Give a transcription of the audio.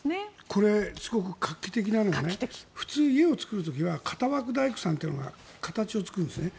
これ、すごく画期的なのが普通、家を造る時は型枠大工さんっていうのが形を作るんですね。